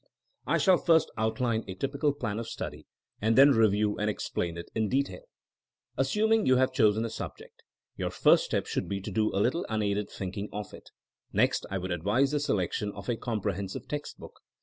I shall first outline a typical plan of study, and then review and explain it in detail. Assuming you have chosen a subject, your first step should be to do a little unaided think ing on it. Next I would advise the selection of a comprehensive text book.